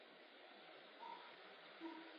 现为奥克兰运动家的后援投手。